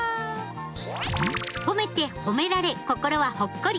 褒めて褒められ心はほっこり。